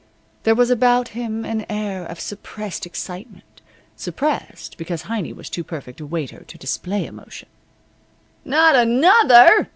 There was about him an air of suppressed excitement suppressed, because Heiny was too perfect a waiter to display emotion. "Not another!"